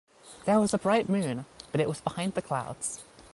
There was a bright moon, but it was behind the clouds.